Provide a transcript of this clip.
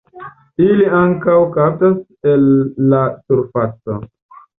Ili ankaŭ kaptas el la surfaco.